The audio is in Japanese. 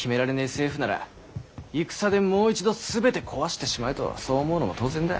政府なら戦でもう一度全て壊してしまえとそう思うのも当然だ。